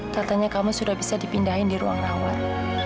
katanya kamu sudah bisa dipindahin di ruang rawat